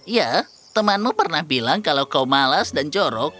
ya temanmu pernah bilang kalau kau malas dan jorok